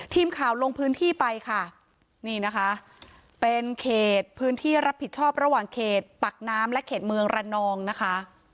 ทีมข่าวลงพื้นที่ไปค่ะนี่นะคะเป็นเขตพื้นที่รับผิดชอบระหว่างเขตปักน้ำและเขตเมืองระนองนะคะ